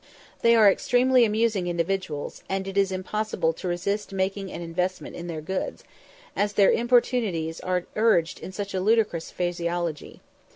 They are extremely amusing individuals, and it is impossible to resist making an investment in their goods, as their importunities are urged in such ludicrous phraseology.